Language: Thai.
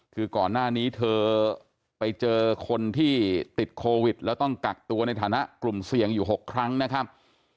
คือก่อนหน้านี้เธอไปเจอคนที่ติดโควิดแล้วต้องกักตัวในฐานะกลุ่มเสี่ยงอยู่๖ครั้งนะครับ